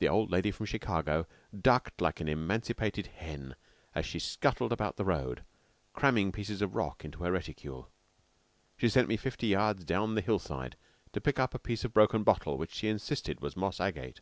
The old lady from Chicago ducked like an emancipated hen as she scuttled about the road, cramming pieces of rock into her reticule. She sent me fifty yards down to the hill side to pick up a piece of broken bottle which she insisted was moss agate.